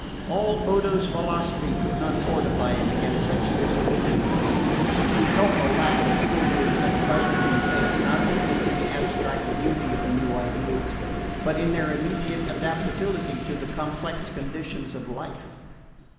All Odo's philosophy could not fortify him against such disillusionments. He felt the lack of Fulvia's unquestioning faith not only in the abstract beauty of the new ideals but in their immediate adaptability to the complex conditions of life.